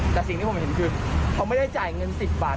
แต่สิ่งที่ผมเห็นคือเขาไม่ได้จ่ายเงิน๑๐บาท